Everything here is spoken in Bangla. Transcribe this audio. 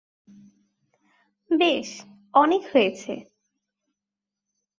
বেশ, অনেক হয়েছে।